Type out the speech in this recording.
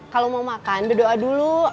kalau mau makan berdoa dulu